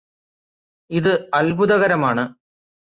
ഇത് അത്ഭുതകരമാണ്